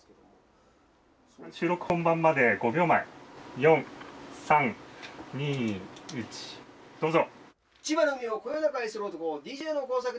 収録本番まで５秒前４、３、２、１、どうぞ！